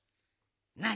なあ